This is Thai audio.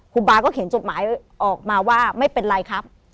บาก็เขียนจดหมายออกมาว่าไม่เป็นไรครับ